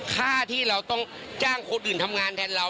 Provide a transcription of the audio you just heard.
ค่าที่เราต้องจ้างคนอื่นทำงานแทนเรา